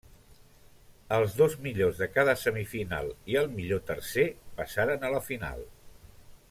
Els dos millors de cada semifinal i el millor tercer passaren a la final.